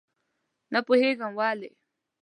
نه پوهېږم ولې.